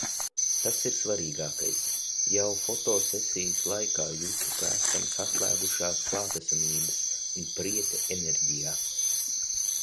Tas ir svarīgākais. Jau fotosesijas laikā jutu, ka esam saslēgušās klātesamības un prieka enerģijā.